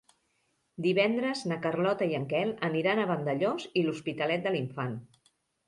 Divendres na Carlota i en Quel aniran a Vandellòs i l'Hospitalet de l'Infant.